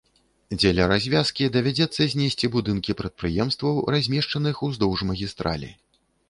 Дзеля развязкі і давядзецца знесці будынкі прадпрыемстваў, размешчаных уздоўж магістралі.